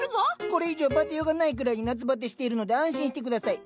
これ以上バテようがないぐらいに夏バテしているので安心して下さい。